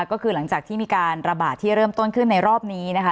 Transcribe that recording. ก็คือหลังจากที่มีการระบาดที่เริ่มต้นขึ้นในรอบนี้นะคะ